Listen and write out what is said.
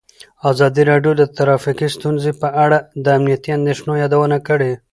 ازادي راډیو د ټرافیکي ستونزې په اړه د امنیتي اندېښنو یادونه کړې.